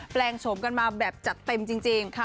แปลงโฉมกันมาแบบจัดเต็มจริง